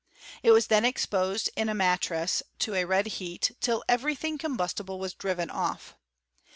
It was. then exposed in a matrass to a red heat, till every thing combustible was driven off.